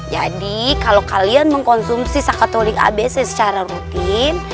jadi kalo kalian mengkonsumsi sakatonik abc secara rutin